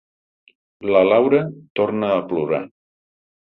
La Laura torna a plorar.